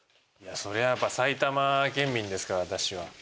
それはやっぱり埼玉県民ですから私は。